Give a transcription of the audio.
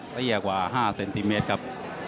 ได้เยอะกว่าห้าเซนติเมตรครับ